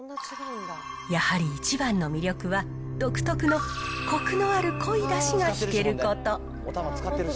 やはり一番の魅力は、独特のこくのある、濃いだしがひけること。